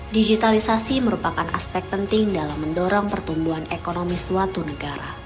digitalisasi merupakan aspek penting dalam mendorong pertumbuhan ekonomi suatu negara